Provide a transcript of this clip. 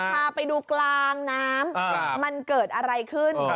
พาไปดูกลางน้ำมันเกิดอะไรขึ้น